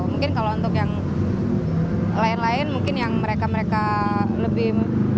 mungkin kalau untuk yang lain lain mungkin yang mereka mereka lebih